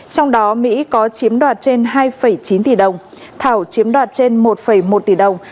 trong đó mỹ có chiếm đoạt trên hai chín tỷ đồng thảo chiếm đoạt trên một một tỷ đồng